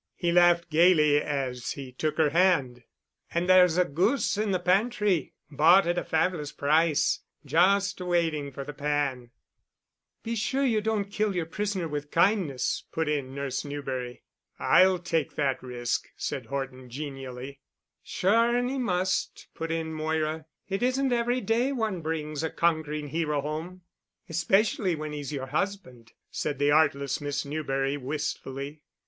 He laughed gayly as he took her hand. "And there's a goose in the pantry, bought at a fabulous price, just waiting for the pan——" "Be sure you don't kill your prisoner with kindness," put in Nurse Newberry. "I'll take that risk," said Horton genially. "Sure and he must," put in Moira. "It isn't every day one brings a conquering hero home." "Especially when he's your husband," said the artless Miss Newberry wistfully.